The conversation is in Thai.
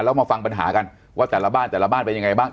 แล้วมาฟังปัญหากันว่าแต่ละบ้านแต่ละบ้านเป็นยังไงบ้าง